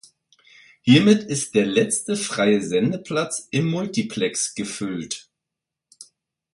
Hiermit ist der letzte freie Sendeplatz im Multiplex gefüllt.